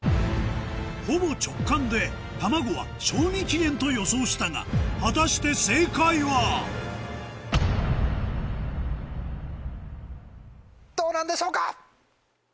ほぼ直感で卵は「賞味期限」と予想したが果たして正解はどうなんでしょうか？